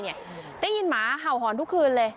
ได้ยินหมาเห่าหอนทุกคืนเลย